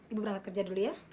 ibu berangkat kerja dulu ya